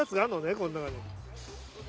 この中に。